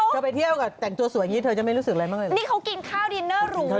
เธอไปเที่ยวกับแต่งตัวสวยอย่างนี้เธอจะไม่รู้สึกอะไรบ้างเลย